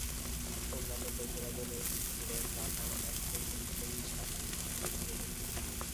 অন্যান্য বৈদ্যরাও বলে দিলেন- রাজার এখন একটিতেই শান্তি, আর সেটি হল মৃত্যু।